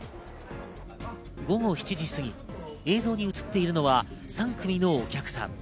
午後７時過ぎ、映像に映っているのは３組のお客さん。